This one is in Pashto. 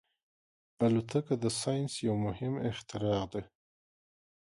الوتکه د ساینس یو مهم اختراع ده.